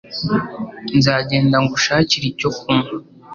Nzagenda ngushakire icyo kunywa.